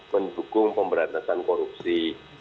mendukung pemberantasan korupsi